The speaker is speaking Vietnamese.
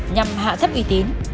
nhằm hạ thấp y tín